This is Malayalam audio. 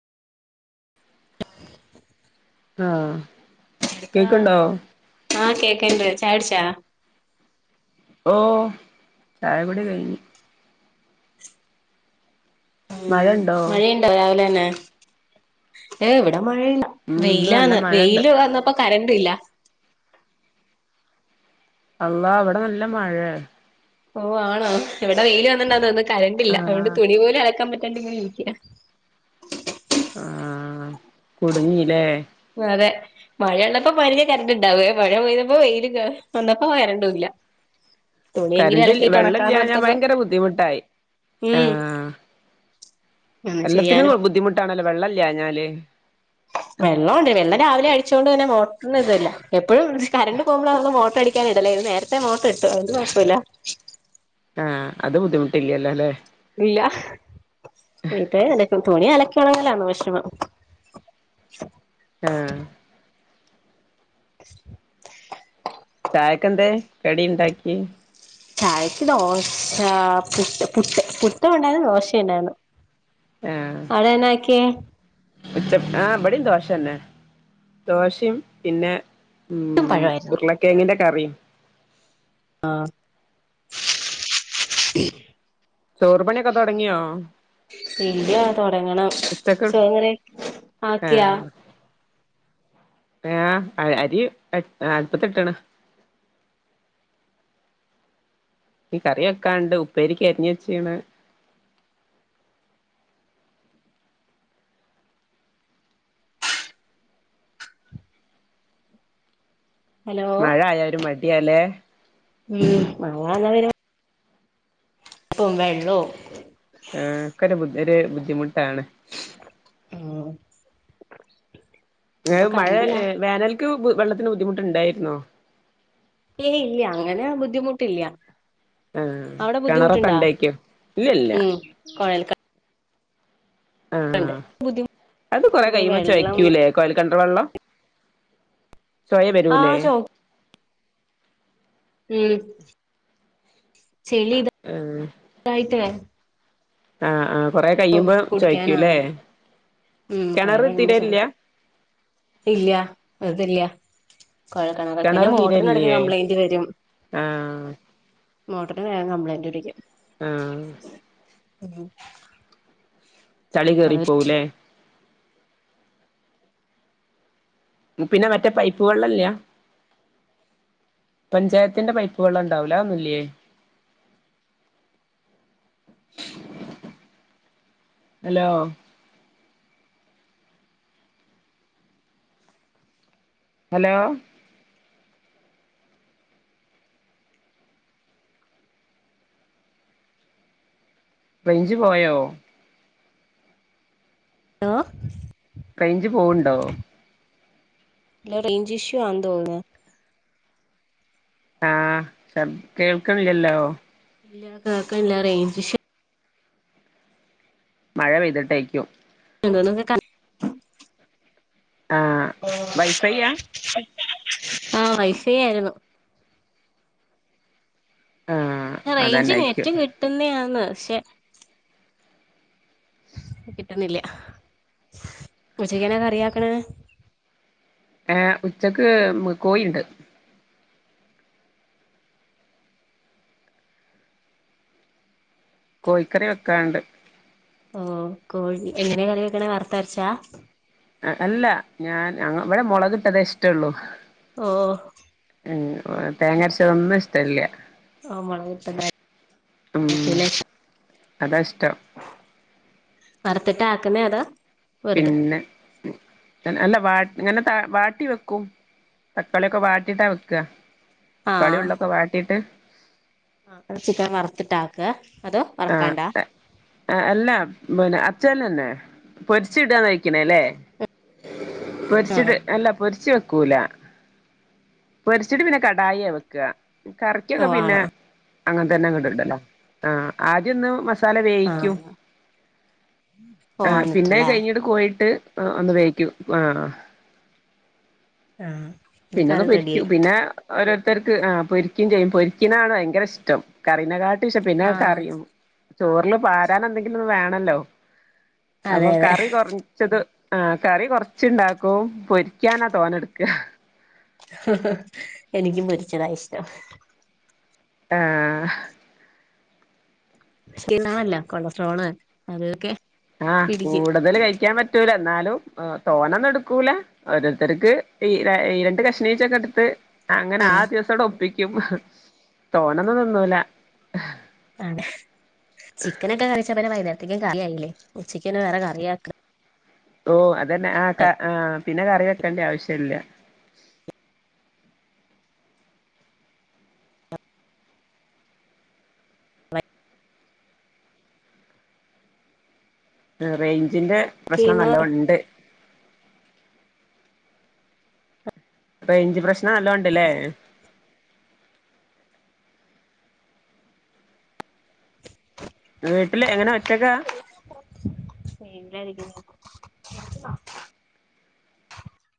[inaudible] ആഹ് ക്കാ കേക്ക്ണ്ടോ ആഹ് കേക്ക്ണ്ട് ചായടിച്ചാ ഓഹ് ചായകുടി കഴിഞ്ഞ് ഉം മഴണ്ടോ മഴയണ്ടോ രാവിലെ ന്നെ ഏയ് ഇവിടെ മഴല്ല ഉം ഇന്ന് നല്ല വെയിലാന്ന് മഴണ്ട് വെയില് വന്നപ്പോ കരണ്ട് ഇല്ല. അള്ളാ ഇവിടെ നല്ല മഴയാ. ഓ ആണോ ഇവിടെ വെയില് വന്നിണ്ട്തോന്ന്ന്നു അതോണ്ട് കറണ്ടില്ല ആഹ് അതുകൊണ്ട് തുണി പോലും അലക്കാൻ പറ്റാണ്ടിങ്ങനെ ഇരിക്ക. ആഹ് കുടുങ്ങീല്ലേ? വെറേ മഴ ഉള്ളപ്പോ പൊരേ കരണ്ട്ണ്ടാവേ മഴ പെയ്തപ്പോ വെയിലും വന്നപ്പോ കരണ്ടുല്ല. കരന്റ് വെള്ളില്ലാഞ ഉണക്കാന്നോർത്തപ്പോ ഭയങ്കര ബുദ്ധിമുട്ടായി ഉം ആഹ് ഒന്നും എല്ലാത്തിനും ചെയ്യാനോ ബുദ്ധിമുട്ടാണല്ലോ വെള്ളല്ലാഞാല്. വെള്ളമൊണ്ട് വെള്ള രാവിലെ അടിച്ചുകൊണ്ട് തന്നെ മോട്ടറി ഇതല്ല എപ്പോഴും കറണ്ട് പോകുമ്പോൾ നള് മോട്ടർ അടി ഇടല്ലേ ഇത് നേരത്തെ മോട്ടർ ഇട്ടു അതോണ്ട് കുഴപ്പല്ല. ആഹ് അത് ബുദ്ധിമുട്ടില്ല്യല്ലോല്ലേ? ഇല്ല [unintelligible] തുണി അലക്കണെങ്കിലാലേവിഷമം. ഉം [inaudible] യ ക്കെന്തേ കടി ഇണ്ടാക്കി? ചായക്ക് ദോശ പുട്ട് പു പു ട്ട് ഇണ്ടായിരുന്നു ദോശേംണ്ടായിരുന്നു. ആഹ് അയേന്നാക്ക്യേ [unintelligible] ആഹ് ഇവിട്യേം ദോശന്നെ ദോശയും പിന്നെ. പുട്ടും ഉം പഴമായിരുന്നു ഉർളക്കേങ്ങിന്റെ കറിയും. ആ ചോറ്പണിയൊക്കെ തുടങ്ങിയോ? ഇല്ല്യാ തൊടങ്ങണം ഉച്ചക്ക് ചോറുംകറിം ആക്കിയാ? ഏഹ് അരി അ അ ട്ല്പത്തിട്ട്ണ്. ഈ കറി വെക്കാണ്ട് ഉപ്പേരിക്ക് അരിഞ്ഞ് വെച്ചീണ്. ഹലോ മഴ ആയാരു മടിയാല്ലേ? ഉം [unintelligible] [unintelligible] ആ ഒക്കേ രു ബു രു ബുദ്ധിമുട്ടാണ്. ആഹ് വേ മഴഏ വേനൽക്ക് ബു വെള്ളത്തിന് ബുദ്ധിമുട്ട്ണ്ടായിരുന്നോ? ഏയ് ഇല്ല്യാ അങ്ങനെ ബുദ്ധിമുട്ടില്ല്യാ. ആഹ് അവിടെ കിണറൊക്കെ ബുദ്ധിമുട്ടുണ്ടാ? ഉണ്ടായിക്കോ ഇല്ല ഇല്ല ഉം കൊഴൽ കെണ ആഹ് ബുദ്ധിമു അത് കൊറെ പിന്നെ കൈയുമ്പൊ വെള്ളം ചൊയ്ക്കൂലേ? കൊയൽ കിണർ വെള്ളം ചൊയ ആ വരൂല്ലേ? ചോ ഉം ചെളിത് ആഹ് [unintelligible] ആഹ് ആഹ് കൊറെ കയ്യുമ്പോ ചോയ്ക്കൂല്ലേ? കുടിക്കാനാവില്ല ഉം കൊറേ കെണറ് കഴിയുമ്പോ ചൊമ തിരേല്ല്യാ. ഇല്ല വെറുതെല്യ കുഴൽകിണറാ പിന്നെ കിണർ മോട്ടറിനിടയ്ക്ക് തീരെല്ലേ കംപ്ലൈന്റ് വരും ആഹ് മോട്ടറിന് വേഗം കംപ്ലയിന്റ് പിടിക്കും ആഹ് ഉം ചളി അത് കേറിപ്പോവൂലേ? പിന്നെ മറ്റേ പൈപ്പുവെള്ളല്ലേ? പഞ്ചായത്തിന്റെ പൈപ്പ് വെള്ളം ഇണ്ടാവൂല അതൊന്നുല്ലേ? ഹലോ. ഹലോ. റേഞ്ച് പോയോ? ഹലോ റേഞ്ച് പോവണ്ടോ ഇല്ല റേഞ്ച് ഇഷ്യൂ ആന്ന് തോന്നുന്നു ആഹ് കേൾക്കണില്ലല്ലോ ഇല്ല കേക്കാൻല്ല റേഞ്ച് മഴ പെയ്തിട്ടായിരിക്കും അന്തോ നങ്ങക്ക് ക ആഹ് വൈഫൈയാ ആ വൈഫേ ആയിരുന്നു ആഹ് റേഞ്ച് അതന്നായിക്കും നെറ്റ് കിട്ടുന്നത ആന്ന് പക്ഷെ കിട്ടുന്നില്ല ഉച്ചക്കെന്ന കറിയാക്കണ ഏ് ഉച്ചക്ക് കോഴിണ്ട് കോഴിക്കറി വെക്കാണ്ട് ഓ കോഴി എങ്ങനെ കറി വെക്കണ വറുത്ത അരച്ചാ അല്ല ഞാൻ ഇവിടെ മുളക് ട്ടതെ ഇഷ്ടള്ളു ഓ ഉ തേങ്ങരച്ചതൊന്നും ഇഷ്ടമല്ല ആഹ മുളകട്ട അതാണ് ഇഷ്ടം വറുത്തിട്ട ആക്കുന്നേ അതാ പിന്നെ അല്ല വ അങ്ങനെ ത വാട്ടി വെക്കും തക്കാളിയൊക്കെ വാട്ടിട്ടാ വെക്ക ആ തക്കാളി ഉള്ളിയൊക്കെ വാട്ടീട്ട് ആ അ ചിക്കൻ വറുത്തിട്ട ആക്ക അതോ വറക്കാണ്ടാ ആഹ അല്ല പിന്നെ അച്ച്ചന തന്നെ പൊരിച്ച ഇടാൻ നഴക്കണേല്ലേ ആ പൊരിച്ചിട്ട് അല്ല പൊരിച്ച് വെക്കൂല പൊരച്ചിട്ട് പിന്നെ കടായി വെക്കുക ഓ കറിക്കൊക്കെ പിന്നെ ആണോ അങ്ങനതന്നെ ഇങ്ങോട്ട ഇണ്ടല്ലോ ആഹ ആദ്യൊന്ന് മസാല വേവിക്കും ആഹ് ആ പിന്നെ പോവാന്നിട്ടല്ലേ കഴിഞ്ഞിട്ട കോയിട്ട് ഒന്ന് വേവിക്കും ആ ആഹ പിന്നൊന്ന് പൊരിക്കു പിന്നെ ഓരോരുത്തർക്ക് ആ പൊരിക്കും ചെയ്യും പൊരിക്കിനാണ് ഭയങ്കര ഇഷ്ടം കറീന കാട്ട് പിന്നെക്കെ ആഹ് അറിയും ചോറില് വാരാൻ എന്തെങ്കിലും ഒന്ന് വേണല്ലോ അതെ അപ്പൊ അതെ കറി കുറച്ചത് ആഹ കറി കൊറച്ചുണ്ടാക്കും പൊരിക്കാനാ തോന്ന എടുക്ക എനിക്കും പൊരിച്ചതാ ഇഷ്ടം ആഹ ക്ഷീണല്ല കൊളസ്ട്രോള് അതൊക്കെ ആഹ പിടിക്കും കൂടുതൽ കഴിക്കാൻ പറ്റൂല എന്നാലും തോന്നന്ന എടുക്കൂല ഓരോരുത്തർക്ക് ഈ രണ്ട് കഷ്ണീഴച്ചൊക്കെ എടുത്ത് അങ്ങനെ ആ ആഹ് ദിവസോടെ ഒപ്പിക്കും തോനെ ഒന്നും തിന്നൂല. ആ ചിക്കൻ ഒക്കെ കറിവെച്ച പിന്നെ വൈകുന്നേരത്തേക്കും കറി ആയില്ലേ ഉച്ചക്ക് തന്നെ വേറെ കറ ആക്ക ഓ അതന്നെ ആ ആ പിന്നെ കറി വെക്കേണ്ട ആവശ്യല്ല. റേഞ്ചിന്റെ പ്രശ്നം നല്ലോണം ഉണ്ട്. റേഞ്ച് പ്രശ്നം നല്ലോണ്ട്ല്ലെ? വീട്ടില് എങ്ങനെ ഒറ്റയ്ക്ക? സൊയിരിക്ക